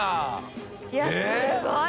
いやすごい！